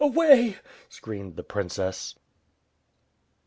"Away!" screamed the princess.